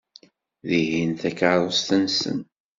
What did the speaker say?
Tihin d takeṛṛust-nsent.